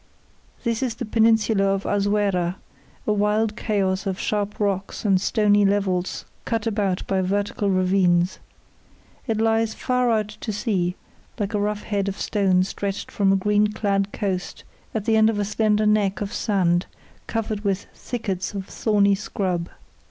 This is the peninsula of Azuera, a wild chaos of sharp rocks and stony levels cut about by vertical ravines. It lies far out to sea like a rough head of stone stretched from a green clad coast at the end of a slender neck of sand covered with thickets of thorny scrub.